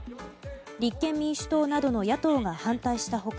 立憲民主党などの野党が反対した他